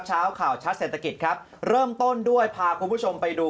เช้าข่าวชัดเศรษฐกิจครับเริ่มต้นด้วยพาคุณผู้ชมไปดู